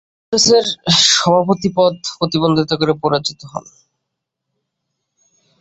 তিনি কংগ্রেসের সভাপতি পদে প্রতিদ্বন্দ্বিতা করে পরাজিত হন।